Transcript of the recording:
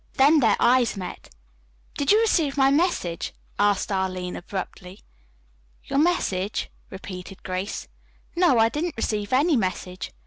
Then their eyes met. "Did you receive my message?" asked Arline abruptly. "Your message," repeated Grace. "No, I didn't receive any message.